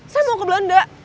sam mau ke belanda